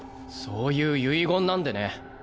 そういう遺言なんでね。